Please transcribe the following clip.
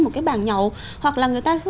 một cái bàn nhậu hoặc là người ta